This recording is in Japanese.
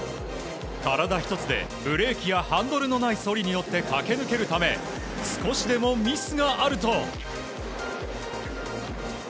体一つでブレーキやハンドルのないそりに乗って駆け抜けるため、少しでもミスがあると。